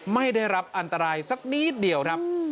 ไม่ได้รับอันตรายสักนิดเดียวครับ